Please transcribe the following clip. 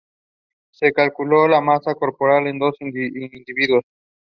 It also burrows in loose soil and under fallen logs.